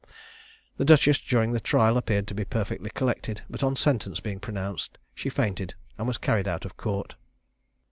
The duchess during the trial appeared to be perfectly collected, but on sentence being pronounced she fainted, and was carried out of court.